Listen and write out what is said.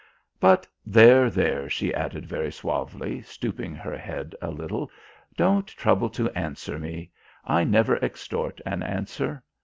"But there, there," she added very suavely, stooping her head a little, "don't trouble to answer me. I never extort an answer.